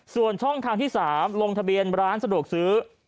ส่วนช่องทางที่๓ลงทะเบียนร้านสะดวกซื้อ